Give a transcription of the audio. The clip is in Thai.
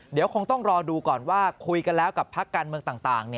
เดี๋ยวคงต้องรอดูก่อนว่าคุยกันแล้วกับพักการเมืองต่าง